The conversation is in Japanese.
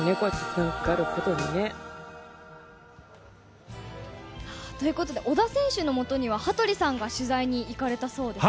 さあ、ということで、小田選手のもとには、羽鳥さんが取材に行かれたそうですね。